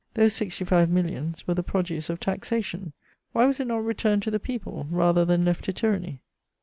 Those sixty five millions were the produce of taxation: why was it not returned to the people, rather than left to tyranny!